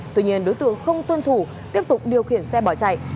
tuy nhiên đối tượng không tuân thủ tiếp tục điều khiển xe bỏ chạy